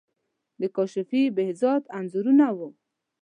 د کاشفی، بهزاد انځورونه وو.